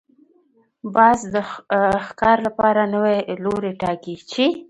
باز د ښکار لپاره نوی لوری ټاکي